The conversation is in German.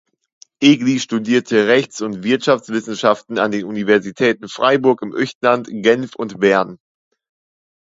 Egli studierte Rechts- und Wirtschaftswissenschaften an den Universitäten Freiburg im Üechtland, Genf und Bern.